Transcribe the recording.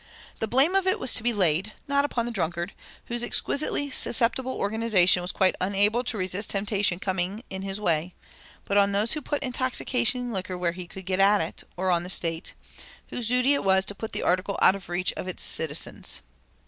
The blame of it was to be laid, not upon the drunkard, whose exquisitely susceptible organization was quite unable to resist temptation coming in his way, but on those who put intoxicating liquor where he could get at it, or on the State, whose duty it was to put the article out of the reach of its citizens.